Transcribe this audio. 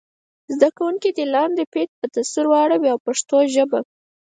زده کوونکي دې لاندې بیت په نثر واړوي په پښتو ژبه.